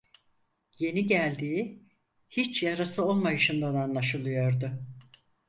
Yeni geldiği, hiç yarası olmayışından anlaşılıyordu.